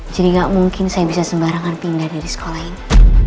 jadi gak mungkin saya bisa sembarangan pindah dari sekolah ini